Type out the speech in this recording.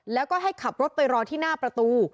แล้วก็ให้ขับรถไปรอที่หน้าประตู